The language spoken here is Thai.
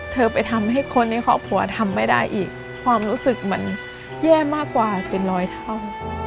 เธอไปทำให้คนในครอบครัวทำไม่ได้อีกความรู้สึกมันแย่มากกว่าเป็นร้อยเท่า